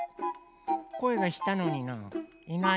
こえがしたのにな。